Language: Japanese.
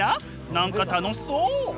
何か楽しそう！